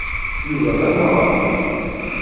Yuba d amaɣad.